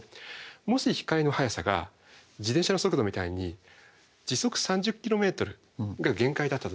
もし光の速さが自転車の速度みたいに時速３０ｋｍが限界だったとしましょうと。